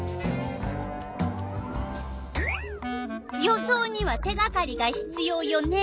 予想には手がかりがひつようよね。